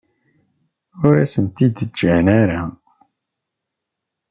Ur asent-tent-id-ǧǧan ara.